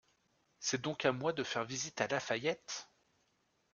C'est donc à moi de faire visite à La Fayette!